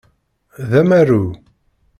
D amaru.